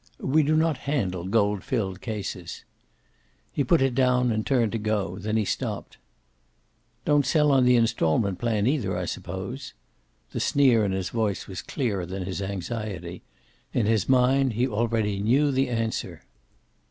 "We do not handle gold filled cases." He put it down, and turned to go. Then he stopped. "Don't sell on the installment plan, either, I suppose?" The sneer in his voice was clearer than his anxiety. In his mind, he already knew the answer.